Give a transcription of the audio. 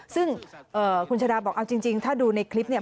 ซึ่งคุณชาดาบอกเอาจริงถ้าดูในคลิปเนี่ย